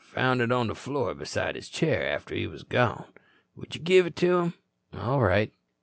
Found it on the floor beside his chair after he was gone. Will you give it to him?" "All right."